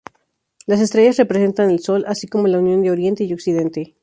Las estrellas representan el sol, así como la unión de Oriente y Occidente.